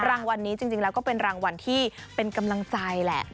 รางวัลนี้จริงแล้วก็เป็นรางวัลที่เป็นกำลังใจแหละ